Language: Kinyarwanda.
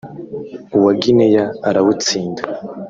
uwa Guinea arawutsinda